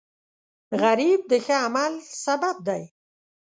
غریب د ښه عمل سبب دی